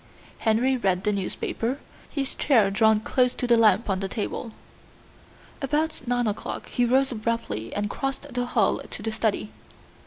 Henry read the newspaper, his chair drawn close to the lamp on the table. About nine o'clock he rose abruptly and crossed the hall to the study.